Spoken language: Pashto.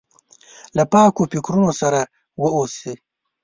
له پاکو فکرونو سره واوسي.